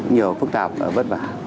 nhiều phức tạp và vất vả